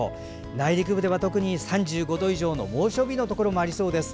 内陸部では３５度以上の猛暑日のところもありそうです。